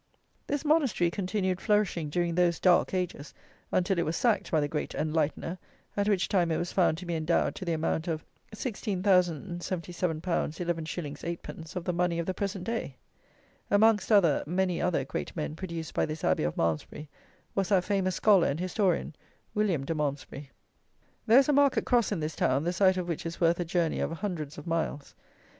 This Monastery continued flourishing during those dark ages, until it was sacked by the great enlightener, at which time it was found to be endowed to the amount of 16,077_l._ 11_s._ 8_d._ of the money of the present day! Amongst other, many other, great men produced by this Abbey of Malmsbury was that famous scholar and historian, William de Malmsbury. There is a market cross in this town, the sight of which is worth a journey of hundreds of miles.